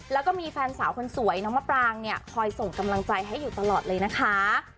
แล้วก็มีแฟนสาวคนสวยน้องมะปรางเนี่ยคอยส่งกำลังใจให้อยู่ตลอดเลยนะคะ